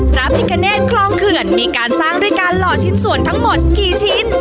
พระพิคเนตคลองเขื่อนมีการสร้างด้วยการหล่อชิ้นส่วนทั้งหมดกี่ชิ้น